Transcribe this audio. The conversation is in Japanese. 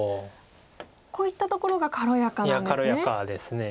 こういったところが軽やかなんですね。